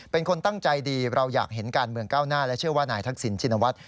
เป็นคนตั้งใจดีเราอยากเห็นการเมืองก้าวหน้าและเชื่อว่านายทักษิณชินวัฒน